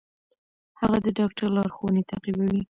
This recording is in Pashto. هغه د ډاکټر لارښوونې تعقیبوي.